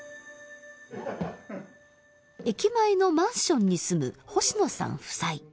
駅前のマンションに住む星野さん夫妻。